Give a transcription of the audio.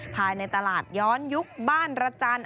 ภายในตลาดย้อนยุคบ้านระจันทร์